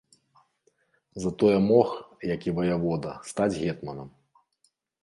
Затое мог, як і ваявода, стаць гетманам.